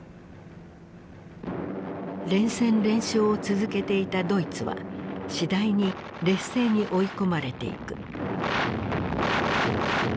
連戦連勝を続けていたドイツは次第に劣勢に追い込まれていく。